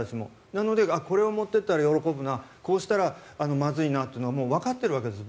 なのでこれを持っていったら喜ぶなこうしたらまずいなっていうのはわかってるわけです。